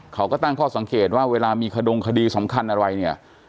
เขาก็ตั้งข้อสังเกตว่าเวลามีขดงคดีสำคัญอะไรเนี่ย